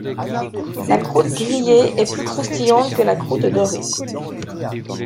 La croûte grillée est plus croustillante que la croûte dorée.